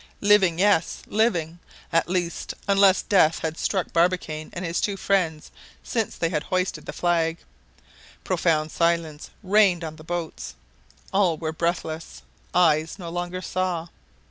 Living, yes! living, at least unless death had struck Barbicane and his two friends since they had hoisted the flag. Profound silence reigned on the boats. All were breathless. Eyes no longer saw.